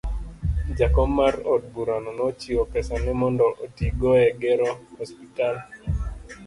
Jakom mar od burano nochiwo pesane mondo otigo e gero osiptal